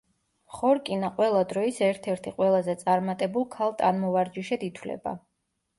ხორკინა ყველა დროის ერთ-ერთი ყველაზე წარმატებულ ქალ ტანმოვარჯიშედ ითვლება.